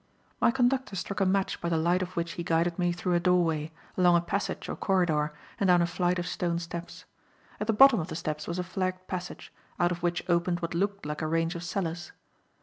My conductor struck a match by the light of which he guided me through a doorway, along a passage or corridor and down a flight of stone steps. At the bottom of the steps was a flagged passage, out of which opened what looked like a range of cellars.